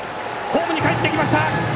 ホームにかえってきました！